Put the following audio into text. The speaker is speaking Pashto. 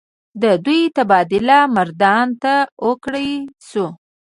د دوي تبادله مردان ته اوکړے شوه ۔